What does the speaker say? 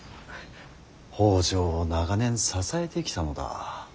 北条を長年支えてきたのだ。